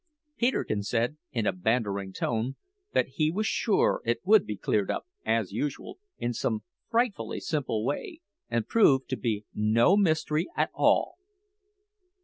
Peterkin said, in a bantering tone, that he was sure it would be cleared up, as usual, in some frightfully simple way, and prove to be no mystery at all!